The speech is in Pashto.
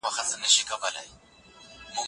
د انسان ملګري د هغه په برخلیک اغېز لري.